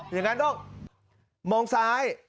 อย่างนั้นต้องมองซ้าย